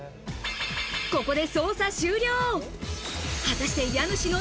ここで捜査終了。